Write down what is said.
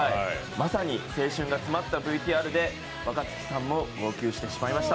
まさに青春が詰まったＶＴＲで、若槻さんも号泣してしまいました。